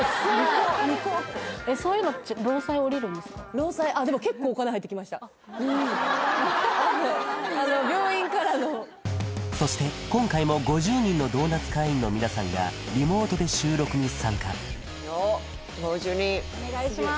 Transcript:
労災あっでも病院からのそして今回も５０人のドーナツ会員の皆さんがリモートで収録に参加お願いします